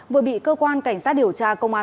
vừa bị cơ quan cảnh sát điều tra công an